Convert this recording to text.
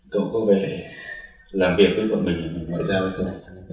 cậu có vẻ làm việc với bọn mình ở ngành ngoại giao đấy thôi